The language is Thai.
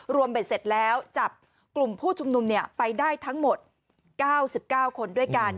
รวมไปเสร็จแล้วจับกลุ่มผู้ชุมนุมเนี่ยไปได้ทั้งหมดเก้าสิบเก้าคนด้วยกัน